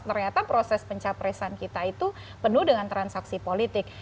ternyata proses pencapresan kita itu penuh dengan transaksi politik